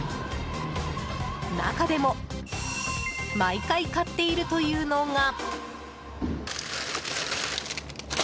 中でも毎回買っているというのが。